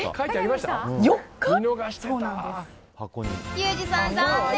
ユージさん、残念。